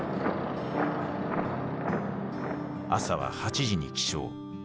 朝は８時に起床。